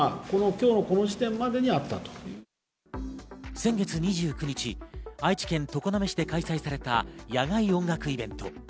先月２９日、愛知県常滑市で開催された野外音楽イベント。